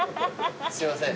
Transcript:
すいません。